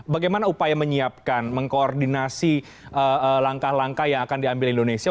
bagaimana upaya menyiapkan mengkoordinasi langkah langkah yang akan diambil indonesia